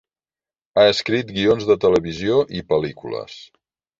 Ha escrit guions de televisió i pel·lícules.